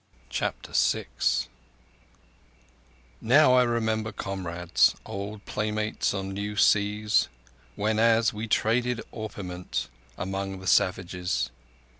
CHAPTER VI Now I remember comrades— Old playmates on new seas— Whenas we traded orpiment Among the savages.